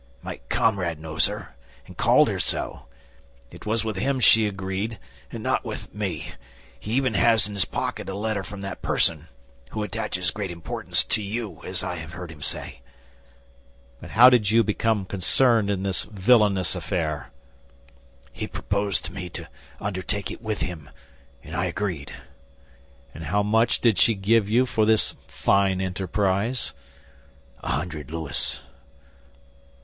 "My comrade knows her, and called her so. It was with him she agreed, and not with me; he even has in his pocket a letter from that person, who attaches great importance to you, as I have heard him say." "But how did you become concerned in this villainous affair?" "He proposed to me to undertake it with him, and I agreed." "And how much did she give you for this fine enterprise?" "A hundred louis."